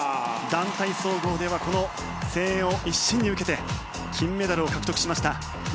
団体総合ではこの声援を一身に受けて金メダルを獲得しました。